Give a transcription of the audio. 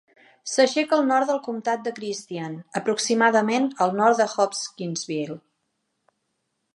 S'aixeca al nord del comtat de Christian, aproximadament al nord de Hopkinsville.